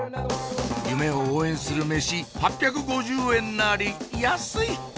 夢を応援する飯８５０円なり安い！